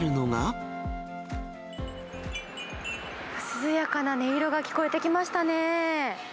涼やかな音色が聞こえてきましたね。